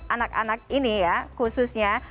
anak anak ini ya khususnya